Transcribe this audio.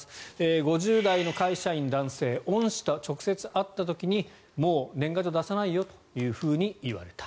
５０代の会社員、男性恩師と直接会った時にもう年賀状出さないよというふうに言われた。